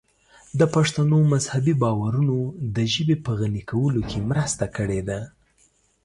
د پښتنو مذهبي باورونو د ژبې په غني کولو کې مرسته کړې ده.